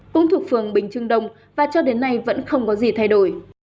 cũng thuộc phường bình trưng đông và cho đến nay vẫn không có gì thay đổi